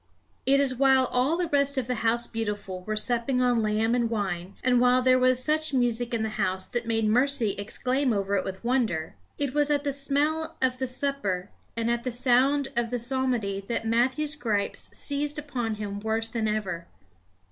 It was while all the rest of the House Beautiful were supping on lamb and wine, and while there was such music in the House that made Mercy exclaim over it with wonder it was at the smell of the supper and at the sound of the psalmody that Matthew's gripes seized upon him worse than ever.